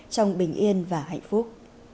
trong bình yên và hạnh phúc